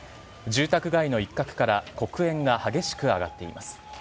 住宅街の一角から黒煙が激しく上がっています。